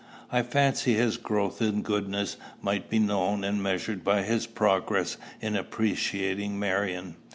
I fancy his growth in goodness might be known and measured by his progress in appreciating Marion.